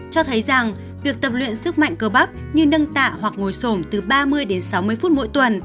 cho thấy rằng việc tập luyện sức mạnh cơ bắp như nâng tạ hoặc ngồi sổm từ ba mươi đến sáu mươi phút mỗi tuần